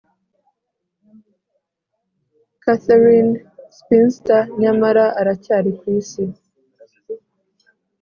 'katharine spinster,' nyamara aracyari kwisi